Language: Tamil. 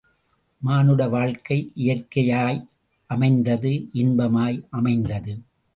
மானுட வாழ்க்கை இயற்கையாய் அமைந்தது இன்பமாய் அமைந்தது.